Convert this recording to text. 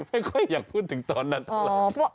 ไม่ค่อยอยากพูดถึงตอนนั้นเท่าไหร่